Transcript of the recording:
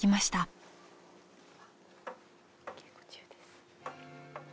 お稽古中です